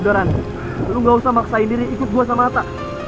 udaran lu gausah maksain diri ikut gua sama ata